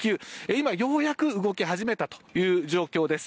今、ようやく動き始めたという状況です。